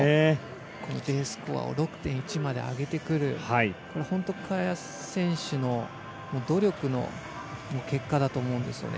このＤスコアを６．１まで上げてくる本当、萱選手の努力の結果だと思うんですよね。